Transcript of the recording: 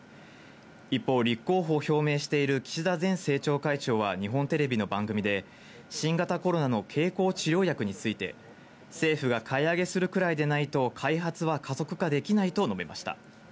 一方、立候補を表明している岸田前政調会長は日本テレビの番組で、新型コロナの経口治療薬について、政府が買い上げするくらいでないと、開発は加速化できないと述べました。